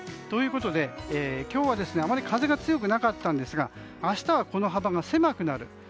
ということで今日はあまり風が強くなかったんですが明日はこの幅が狭くなる。